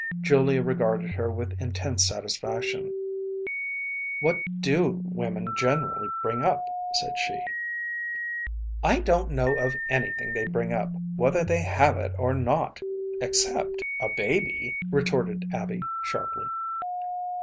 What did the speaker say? Julia regarded her with intense satisfaction. “What do women generally bring up?‚ÄĚ said she. “I don’t know of anything they bring up, whether they have it or not, except a baby,‚ÄĚ retorted Abby, sharply.